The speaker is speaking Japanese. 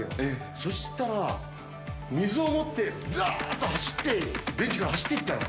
そしたら、水を持って、だーっと走って、ベンチから走っていったの。